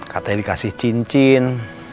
katanya dikasih cincin